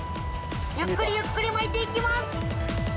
ゆっくりゆっくり巻いていきます。